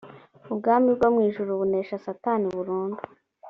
ubwami bwo mu ijuru bunesha satani burundu